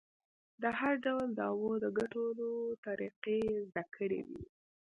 د هر ډول دعوو د ګټلو طریقې یې زده کړې وې.